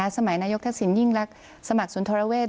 สมัยนายกทัศนยิ่งล่ากและสมัครสลุนธรเวช